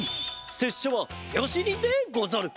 せっしゃはよし忍でござる。